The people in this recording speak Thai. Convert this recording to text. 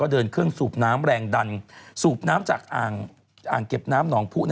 เดินเครื่องสูบน้ำแรงดันสูบน้ำจากอ่างเก็บน้ำหนองผู้